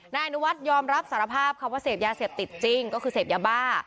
นายอนุวัฒน์ยอมรับสารภาพค่ะว่าเสพยาเสพติดจริงก็คือเสพยาบ้า